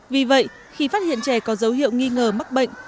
vì vậy khi phát hiện trẻ có dấu hiệu nghi ngờ mắc bệnh